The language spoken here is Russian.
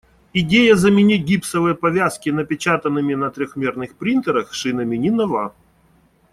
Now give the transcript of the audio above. Идея заменить гипсовые повязки напечатанными на трёхмерных принтерах шинами не нова.